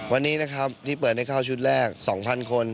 วันนี้นะครับที่เปิดให้เข้าชุดแรก๒๐๐คน